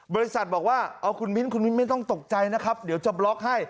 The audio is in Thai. บริษัทบอกว่าเอาคุณมิ้นคุณมิ้นไม่ต้องตกใจนะครับเดี๋ยวจะบล็อกให้